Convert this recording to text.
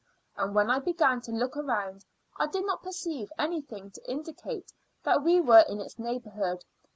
And when I began to look around, I did not perceive anything to indicate that we were in its neighbourhood.